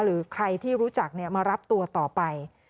หรือใครที่รู้จักมารับตัวต่อไป